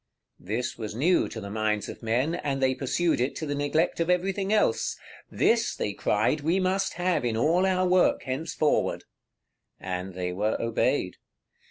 This was new to the minds of men, and they pursued it to the neglect of everything else. "This," they cried, "we must have in all our work henceforward:" and they were obeyed.